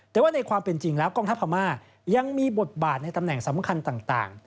แต่ว่าในความเป็นจริงแล้วกองทัพพม่ายังมีบทบาทในตำแหน่งสำคัญต่าง